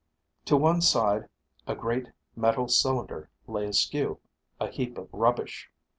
To one side a great metal cylinder lay askew a heap of rubbish.